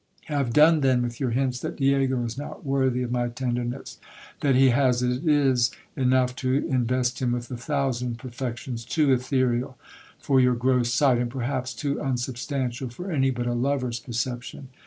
Have done then with your hints that Diego is not worthy of my tenderness ; that he has it is enough, to invest him with a thousand perfections too setherial for your gross sight, and perhaps too unsubstantial for any but a lover's percep tion.